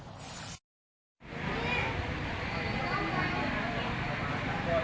ทุกวันใหม่ทุกวันใหม่